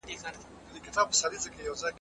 کارپوهانو به نوي تړونونه لاسلیک کول.